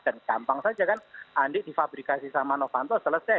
dan gampang saja kan andi difabrikasi sama novanto selesai